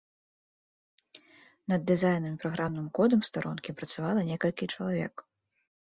Над дызайнам і праграмным кодам старонкі працавала некалькі чалавек.